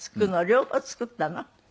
両方作ったの？